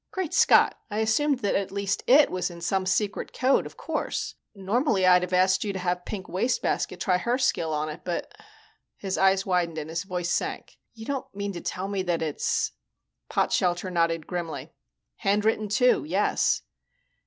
"Great Scott, I assumed that at least it was in some secret code, of course. Normally I'd have asked you to have Pink Wastebasket try her skill on it, but...." His eyes widened and his voice sank. "You don't mean to tell me that it's " Potshelter nodded grimly. "Hand written, too. Yes."